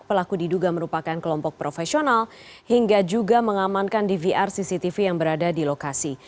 pelaku diduga merupakan kelompok profesional hingga juga mengamankan dvr cctv yang berada di lokasi